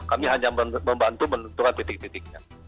kami hanya membantu menentukan titik titiknya